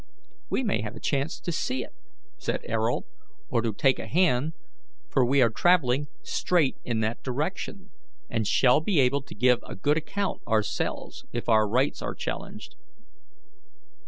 "We may have a chance to see it," said Ayrault, "or to take a hand, for we are travelling straight in that direction, and shall be able to give a good account ourselves if our rights are challenged."